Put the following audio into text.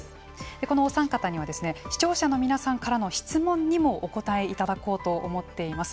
このお三方には視聴者の皆さんからの質問にもお答えいただこうと思っています。